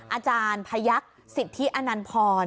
อาจารย์พยักษ์สิทธิอนันพร